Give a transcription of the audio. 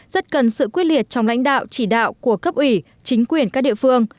rất cần sự quyết liệt trong lãnh đạo chỉ đạo của cấp ủy chính quyền các địa phương